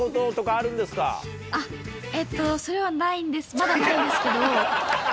まだないんですけど。